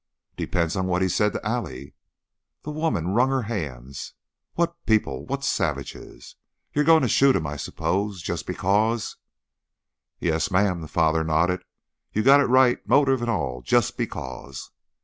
"Depends on what he said to Allie." The woman wrung her hands. "What people! What savages! You're going to shoot him, I suppose, just because " "Yes'm!" the father nodded. "You got it right, motif an' all. 'Just because'!"